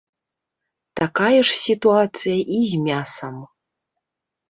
Такая ж сітуацыя і з мясам.